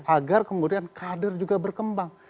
agar kemudian kader juga berkembang